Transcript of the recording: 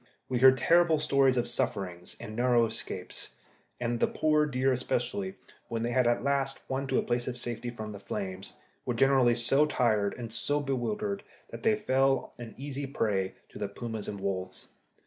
We heard terrible stories of sufferings and narrow escapes, and the poor deer especially, when they had at last won to a place of safety from the flames, were generally so tired and so bewildered that they fell an easy prey to the pumas and wolves.